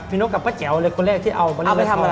พี่นกกับป้าแจ๋วเลยคนแรกที่เอาไปเล่นละคร